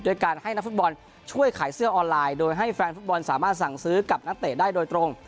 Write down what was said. การให้นักฟุตบอลช่วยขายเสื้อออนไลน์โดยให้แฟนฟุตบอลสามารถสั่งซื้อกับนักเตะได้โดยตรง